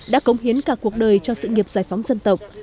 đã cống hiến cả cuộc đời cho sự nghiệp giải phóng dân tộc